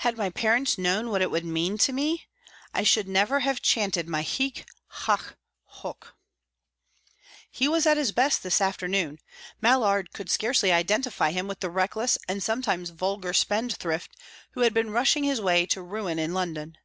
Had my parents known what it would mean to me, I should never have chanted my hic, haec, hoc." He was at his best this afternoon; Mallard could scarcely identify him with the reckless, and sometimes vulgar, spendthrift who had been rushing his way to ruin in London.